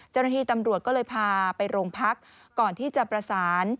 เจ้าหน้าที่ตำรวจก็เลยพาไปโรงพักก่อนที่จะประสาน